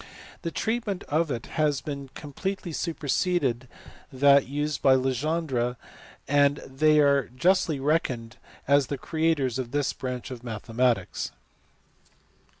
Their treat ment of it has completely superseded that used by Legendre, and they are justly reckoned as the creators of this branch of mathematics.